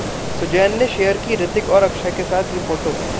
Suzanne ने शेयर की रितिक और अक्षय के साथ ये फोटो